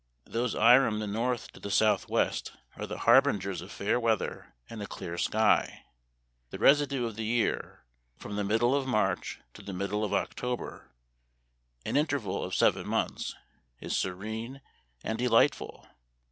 Those irom the north to the south west are the harbingers of fair weather and a clear sky. The residue of the year — from the middle of March to the middle of October — an interval of seven months, is serene and delightful.